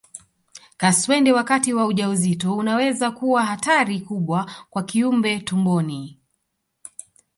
Kaswende wakati wa ujauzito unaweza kuwa hatari kubwa kwa kiumbe tumboni